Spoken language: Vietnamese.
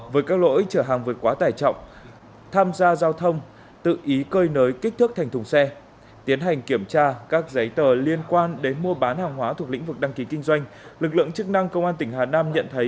với các lỗi trở hàng vượt quá tài trọng tham gia giao thông tự ý cơi nới kích thước thành thùng xe tiến hành kiểm tra các giấy tờ liên quan đến mua bán hàng hóa thuộc lĩnh vực đăng ký kinh doanh